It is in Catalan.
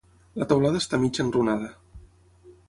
La teulada està mig enrunada.